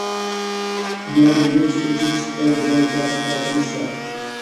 O módulo multi-edit é um bom lugar para começar.